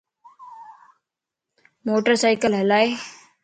موٽر سائيڪل ھلائي